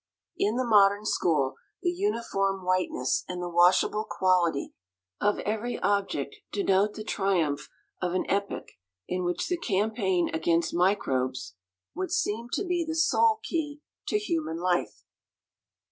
In the modern school, the uniform whiteness and the washable quality of every object denote the triumph of an epoch in which the campaign against microbes would seem to be the sole key to human life.